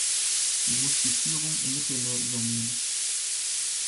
Sie muss die Führung im Mittelmeer übernehmen.